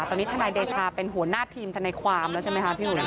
ตอนนี้ทนายเดชาเป็นหัวหน้าทีมทนายความแล้วใช่ไหมคะพี่อุ๋